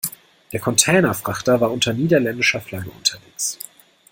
Der Containerfrachter war unter niederländischer Flagge unterwegs.